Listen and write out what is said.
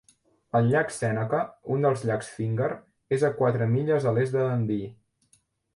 El llac Sèneca, un dels llacs Finger, és a quatre milles a l'est de Dundee.